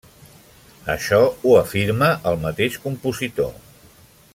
Això ho afirma el mateix compositor.